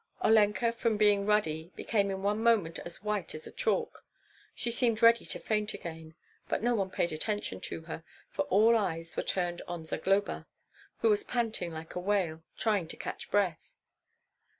Olenka from being ruddy became in one moment as white as chalk; she seemed ready to faint again; but no one paid attention to her, for all eyes were turned on Zagloba, who was panting like a whale, trying to catch breath.